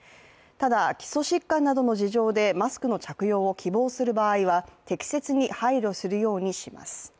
ただ、基礎疾患などの事情でマスクの着用を希望する場合は適切に配慮するようにします。